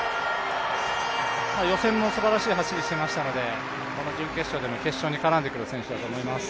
予選もすばらしい走りをしていましたので、この準決勝も決勝に絡んでくる選手だと思います。